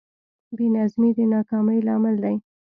بېنظمي د ناکامۍ لامل دی.